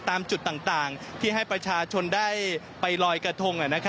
ตามจุดต่างที่ให้ประชาชนได้ไปลอยกระทง